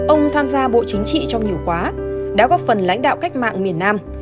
ông tham gia bộ chính trị trong nhiều quá đã góp phần lãnh đạo cách mạng miền nam